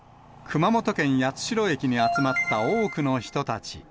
熊本県八代駅に集まった多くの人たち。